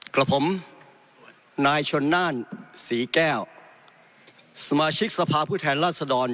กับผมนายชนน่านศรีแก้วสมาชิกสภาพผู้แทนราชดร